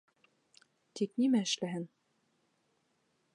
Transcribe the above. Тик нимә эшләһен?